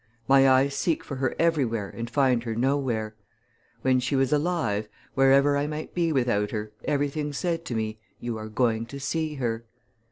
My eyes seek for her everywhere and find her nowhere. When she was alive, wherever I might be without her, everything said to me, You are going to see her.